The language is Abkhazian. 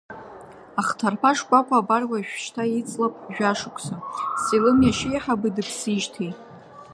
Ахҭарԥа шкәакәа абар уажәшьҭа иҵлап жәашықәса, Селым иашьеиҳабы дыԥсижьҭеи.